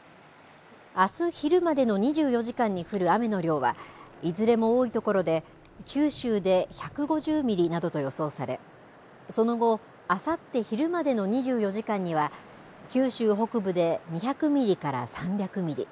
あす昼までの２４時間に降る雨の量はいずれも多い所で九州で１５０ミリなどと予想されその後、あさって昼までの２４時間には九州北部で２００ミリから３００ミリ。